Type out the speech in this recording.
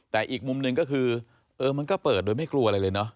แต่อีกมุมหนึ่งก็คือเออมันก็เปิดโดยไม่กลัวอะไรเลยเนาะ